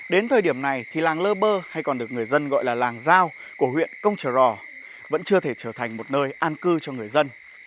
đến thời điểm này thì làng lơ bơ hay còn được người dân gọi là làng giao của huyện công trờ rò vẫn chưa thể trở thành một nơi an cư cho người dân